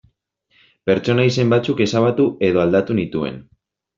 Pertsona izen batzuk ezabatu edo aldatu nituen.